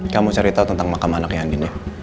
kamu cari tahu tentang makam anaknya andi